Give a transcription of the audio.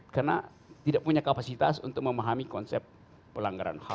karena tidak punya kapasitas untuk memahami konsep pelanggaran ham